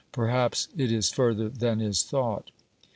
Perhaps it is further than is thought.